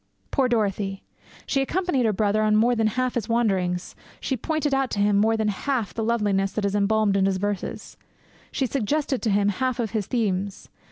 Poor Dorothy! She accompanied her brother on more than half his wanderings; she pointed out to him more than half the loveliness that is embalmed in his verses; she suggested to him half his themes.